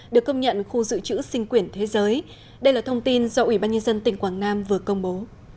được công nhận khu dự trữ sinh quyển thế giới đây là thông tin do ủy ban nhân dân tỉnh quảng nam vừa công bố